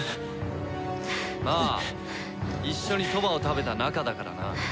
まあ一緒に蕎麦を食べた仲だからな。